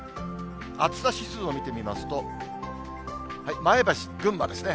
暑さ指数を見てみますと、前橋、群馬ですね。